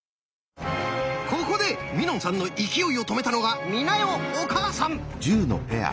ここでみのんさんの勢いを止めたのが美奈代お母さん。